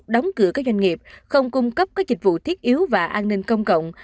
đóng cửa các doanh nghiệp không cung cấp các dịch vụ thiết yếu và an ninh công cộng